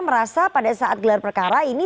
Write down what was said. merasa pada saat gelar perkara ini